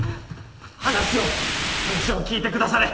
話を話を聞いてくだされ！